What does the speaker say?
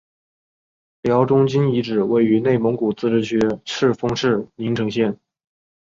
辽中京遗址位于内蒙古自治区赤峰市宁城县。